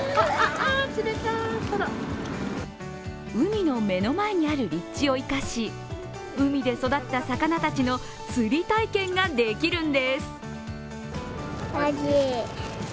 海の目の前にある立地を生かし海で育った魚たちの釣り体験ができるんです。